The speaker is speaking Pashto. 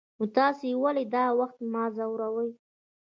نو تاسې ولې دا وخت ما ځوروئ.